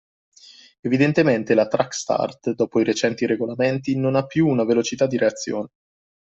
Evidentemente la track start, dopo i recenti regolamenti, non ha più una velocità di reazione